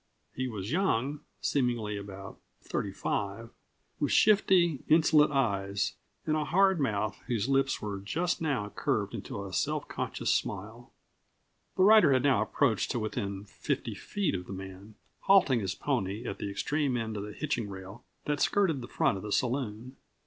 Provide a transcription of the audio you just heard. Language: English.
He was young, seemingly about thirty five, with shifty, insolent eyes and a hard mouth whose lips were just now curved into a self conscious smile. The rider had now approached to within fifty feet of the man, halting his pony at the extreme end of the hitching rail that skirted the front of the saloon.